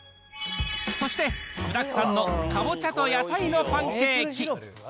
そして具だくさんのかぼちゃと野菜のパンケーキ。